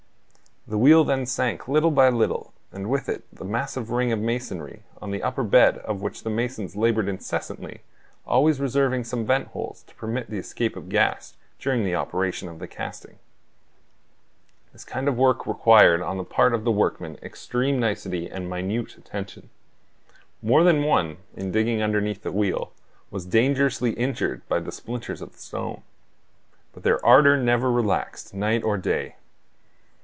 The wheel then sank little by little, and with it the massive ring of masonry, on the upper bed of which the masons labored incessantly, always reserving some vent holes to permit the escape of gas during the operation of the casting. This kind of work required on the part of the workmen extreme nicety and minute attention. More than one, in digging underneath the wheel, was dangerously injured by the splinters of stone. But their ardor never relaxed, night or day.